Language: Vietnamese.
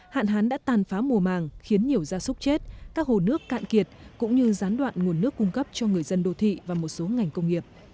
hạn hán đã tàn phá mùa màng khiến nhiều gia súc chết các hồ nước cạn kiệt cũng như gián đoạn nguồn nước cung cấp cho người dân đô thị và một số ngành công nghiệp